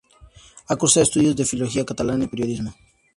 Ha cursado estudios de Filología Catalana y Periodismo.